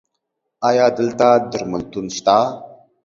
ایا دلته درملتون شته؟